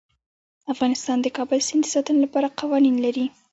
افغانستان د کابل سیند د ساتنې لپاره قوانین لري.